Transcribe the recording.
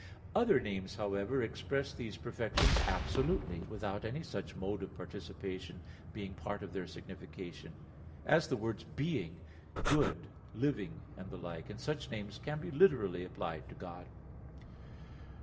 Other names, however, express these perfections absolutely, without any such mode of participation being part of their signification as the words "being," "good," "living," and the like, and such names can be literally applied to God.